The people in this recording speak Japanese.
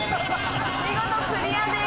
見事クリアです。